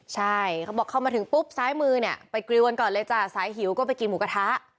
ใช่เขาบอกเข้ามาถึงปุ๊บซ้ายมือเนี่ยไปกริวกันก่อนเลยจ้ะสายหิวก็ไปกินหมูกระทะ